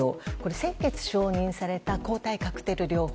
先月承認された抗体カクテル療法。